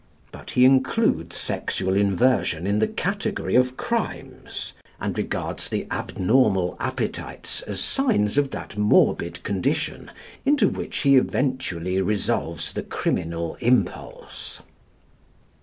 But he includes sexual inversion in the category of crimes, and regards the abnormal appetites as signs of that morbid condition into which he eventually revolves the criminal impulse.